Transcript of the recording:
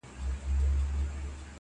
چې د هغه په غزلونو کې خپاره دي